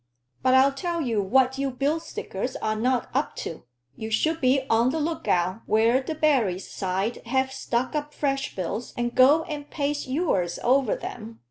"But I'll tell you what you bill stickers are not up to. You should be on the look out when Debarry's side have stuck up fresh bills, and go and paste yours over them.